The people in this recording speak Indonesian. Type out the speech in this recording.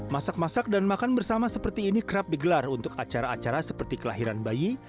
masak masak dan makan bersama seperti ini kerap digelar untuk acara acara seperti kelahiran bayi